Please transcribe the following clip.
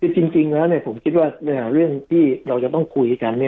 คือจริงแล้วผมคิดว่าเรื่องที่เราจะต้องคุยกัน